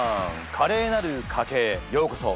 「カレーなる賭け」へようこそ。